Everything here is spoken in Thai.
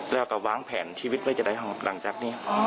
แล้วก็วางแผนชีวิตไว้จะได้หลังจากนี้